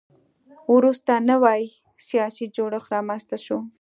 وروسته نوی سیاسي جوړښت رامنځته شو.